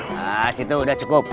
nah situ udah cukup